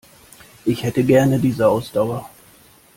Ich hätte gerne diese Ausdauer.